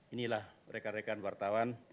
inilah rekan rekan wartawan